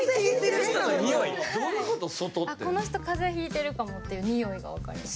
この人風邪ひいてるかもっていう匂いがわかります。